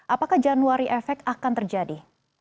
apakah januari efek akan terjadi